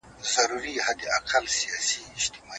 تدریس ذهن خلاصوي خو پوهنه شخصیت جوړوي.